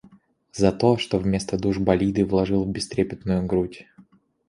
За то, что вместо душ болиды вложил в бестрепетную грудь.